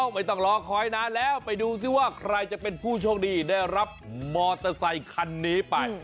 ไม่ต้องรอคอยนานแล้วไปดูซิว่าใครจะเป็นผู้โชคดีได้รับมอเตอร์ไซคันนี้ไป